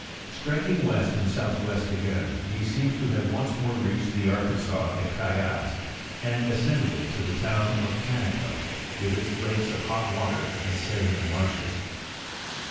Striking west and southwest again, he seems to have once moi*e reached the Arkansas at Cayas, and ascended it to the town of Tanico, with its lake of hot water and saline marshes.